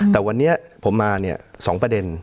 แต่วันนี้ผมมาเนี่ยสองประเด็น